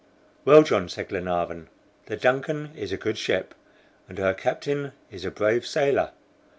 "Well, John," said Glenarvan, "the DUNCAN is a good ship, and her captain is a brave sailor.